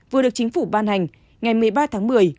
vừa được chính phủ ban hành ngày một mươi ba tháng một mươi